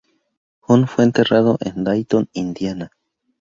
Hoon fue enterrado en Dayton, Indiana.